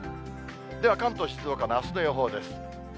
では、関東、静岡のあすの予報です。